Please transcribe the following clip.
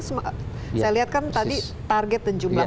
saya lihat kan tadi target dan jumlah